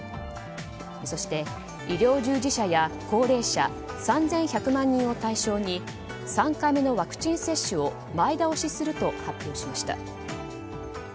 そして、医療従事者や高齢者３１００万人を対象に３回目のワクチン接種を前倒しすると発表しました。